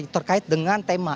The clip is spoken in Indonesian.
terkait dengan tema